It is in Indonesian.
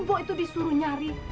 mbah itu disuruh nyari